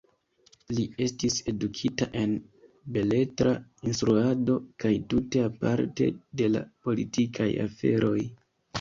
Li estis edukita en beletra instruado kaj tute aparte de la politikaj aferoj.